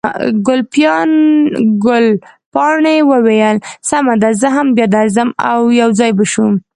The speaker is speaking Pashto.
ګلپاڼې وویل، سمه ده، زه هم بیا درځم، او یو ځای به شو.